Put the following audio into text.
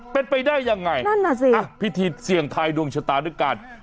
เป็นไปได้ยังไงนั่นน่ะสิอ่ะพิธีเสี่ยงทายดวงชะตาด้วยการ